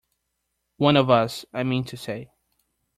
One of us, I mean to say.